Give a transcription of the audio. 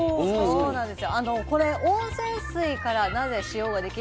そうなんです。